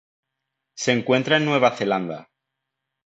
Se encuentra en Nueva Zelanda.